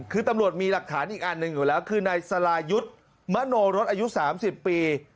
คือตำรวจมีหลักฐานอีกอันหนึ่งอยู่แล้วคือนายสรายุทธ์มโนรสอายุ๓๐ปี